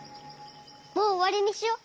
もうおわりにしよう。